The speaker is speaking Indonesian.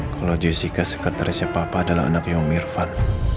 kalau jessica sekretaris apa apa adalah anaknya om irfan